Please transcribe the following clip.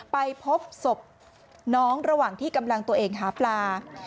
ไปพบศพน้องระหว่างที่กำลังตัวเองหาปลา